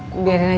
dia bikin ribet